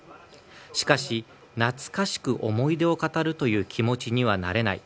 しかし、懐かしく思い出を語るという気持ちにはなれない。